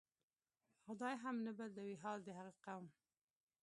"خدای هم نه بدلوي حال د هغه قوم".